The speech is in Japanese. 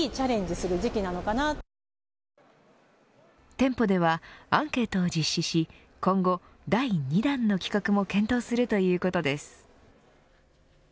店舗ではアンケートを実施し今後、第２弾の企画も検討するということです。